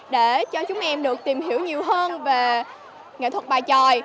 để cho chúng em được tìm hiểu nhiều hơn về nghệ thuật bài tròi